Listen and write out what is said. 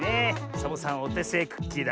サボさんおてせいクッキーだ。